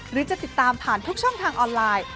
หรือจะติดตามผ่านทุกช่องทางออนไลน์